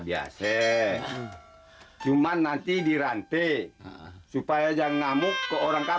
gapapa ah biasa cuma nanti dirantai supaya jangan ngamuk ke orang kanan tanpa